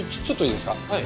ちょっといいですか？